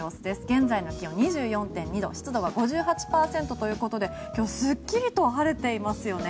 現在の気温は２４．２度湿度が５８％ということですっきりと晴れていますよね。